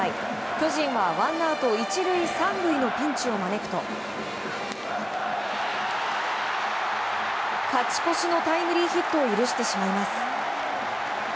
巨人はワンアウト１塁３塁のピンチを招くと勝ち越しのタイムリーヒットを許してしまいます。